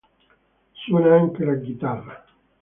Suona anche la chitarra.